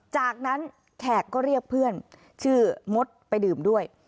จากนั้นแขกก็เรียกเพื่อนชื่อมดไปดื่มด้วย